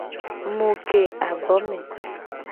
Mu ke abo me.